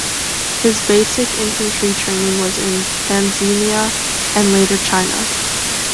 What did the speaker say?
His basic infantry training was in Tanzania and later China.